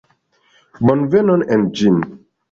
Bonvenon en ĝin!